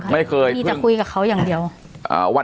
ไม่เคยค่ะพี่จะคุยกับเขาอย่างเดียว